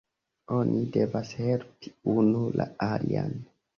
Oni devas helpi unu la alian.